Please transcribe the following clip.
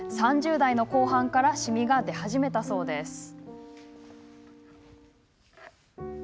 ３０代の後半からシミが出始めたそうです。